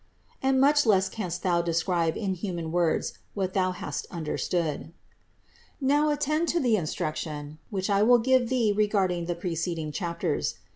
And much less THE INCARNATION 143 canst thou describe in human words what thou hast un derstood. 177. Now attend to the instruction, which I will give thee regarding the preceding chapters.